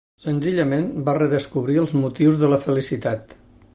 Senzillament vol redescobrir els motius de la felicitat.